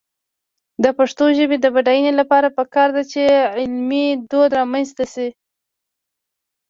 د پښتو ژبې د بډاینې لپاره پکار ده چې علمي دود رامنځته شي.